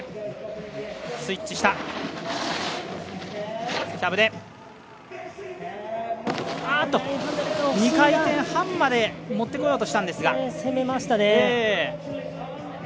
スイッチした、キャブであーっと、２回転半まで持ってこようとしたんですが攻めましたね。